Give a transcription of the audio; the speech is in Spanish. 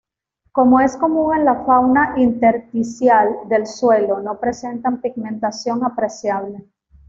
Como es común en la fauna intersticial del suelo, no presentan pigmentación apreciable.